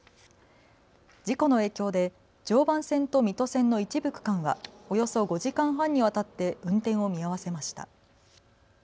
事故の影響で常磐線と水戸線の一部区間はおよそ５時間半にわたって運転を見合わせました。